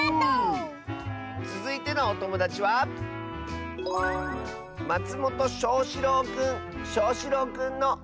つづいてのおともだちはしょうしろうくんの。